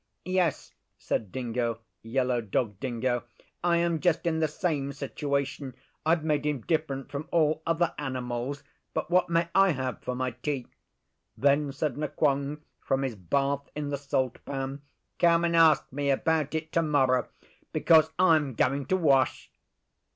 'Yes,' said Dingo Yellow Dog Dingo, 'I am just in the same situation. I've made him different from all other animals; but what may I have for my tea?' Then said Nqong from his bath in the salt pan, 'Come and ask me about it tomorrow, because I'm going to wash.